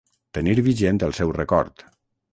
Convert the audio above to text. Tenir vigent el seu record.